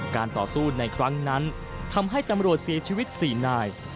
ต่อสู้ในครั้งนั้นทำให้ตำรวจเสียชีวิต๔นาย